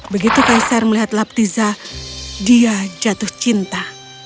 begitu kaisar melihat laptiza dia jatuh cinta